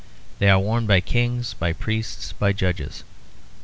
They are worn by kings, by priests, and by judges.